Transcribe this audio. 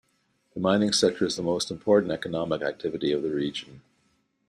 The mining sector is the most important economic activity of the region.